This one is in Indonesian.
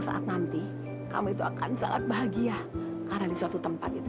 saat nanti kamu itu akan sangat bahagia karena di suatu tempat itu